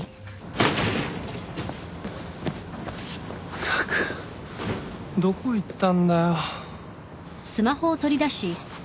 ったくどこ行ったんだよ。